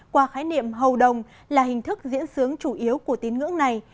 qua khái niệm hầu đồng là hình thức diễn sướng chủ yếu của tín ngưỡng này